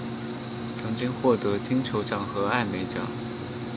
曾经获得金球奖和艾美奖。